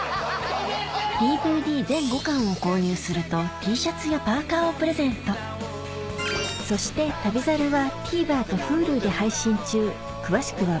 ＤＶＤ全５巻を購入するとＴシャツやパーカーをプレゼントそして『旅猿』は心は？